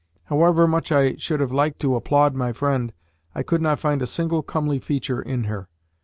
However much I should have liked to applaud my friend, I could not find a single comely feature in her.